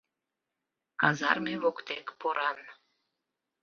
Казарме воктек поран